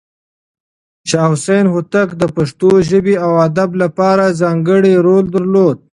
شاه حسين هوتک د پښتو ژبې او ادب لپاره ځانګړی رول درلود.